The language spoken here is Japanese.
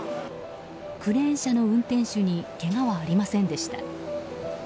クレーン車の運転手にけがはありませんでした。